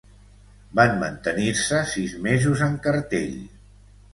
Van mantenir-se sis mesos en cartell.